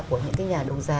của những cái nhà đấu giá